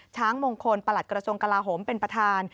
ช้างมงคลประหลัดกระทรวงกลาโหมเป็นประธาน